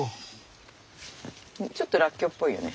ちょっとらっきょうっぽいよね